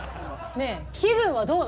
ねえ気分はどう？